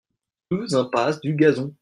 deux impasse du Gazon